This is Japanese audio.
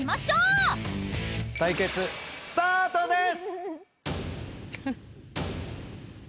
対決スタートです！